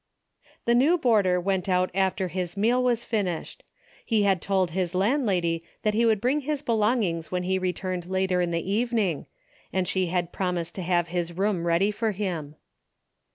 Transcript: The new boarder went out after his meal was finished. He had told his landlady that he would bring his belongings when he re turned later in the evening, and she had promised to have his room ready for him.